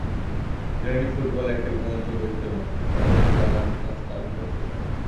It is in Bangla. ইরানি ফুটবল একটা ঘুমন্ত দৈত্যের মতো, তাদের জাগানোর কাজটা আমি করতে চাই।